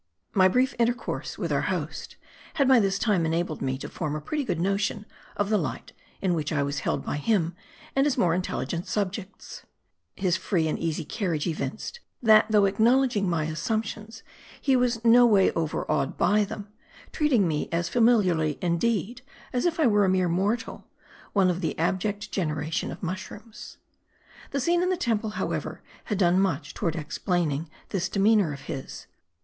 MY brief intercourse with our host, had by this time en' abled me to form a pretty good notion of the light, in which I was held by him and his more intelligent subjects. His free and easy carriage evinced, that though ac knowledging my assumptions, he was no way overawed by them ; treating me as familiarly, indeed, as if I were a mere mortal, one of the abject generation of mush rooms. The scene in the temple, however, had done much to ward explaining this demeanor of his.